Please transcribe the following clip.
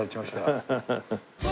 ハハハハ。